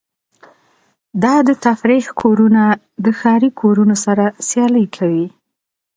دا د تفریح کورونه د ښاري کورونو سره سیالي کوي